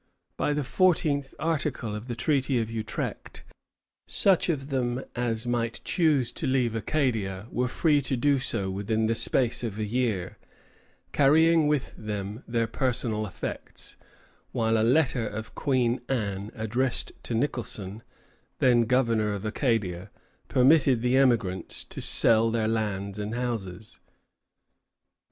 By the fourteenth article of the Treaty of Utrecht such of them as might choose to leave Acadia were free to do so within the space of a year, carrying with them their personal effects; while a letter of Queen Anne, addressed to Nicholson, then governor of Acadia, permitted the emigrants to sell their lands and houses.